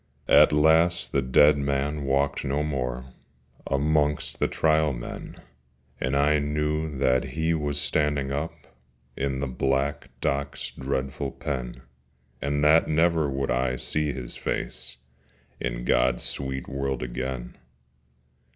At last the dead man walked no more Amongst the Trial Men, And I knew that he was standing up In the black dock's dreadful pen, And that never would I see his face In God's sweet world again.